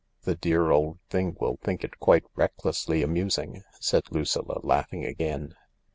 " The dear old thing will think it quite recklessly amusing," said Lucilla, laughing again.